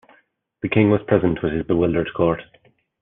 The king was present with his bewildered court.